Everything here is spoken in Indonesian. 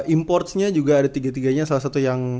importsnya juga ada tiga tiga nya salah satu yang